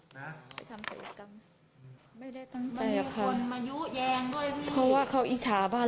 หนูก็ไม่รู้ว่าจะอยู่กันมาอีกช่างไหน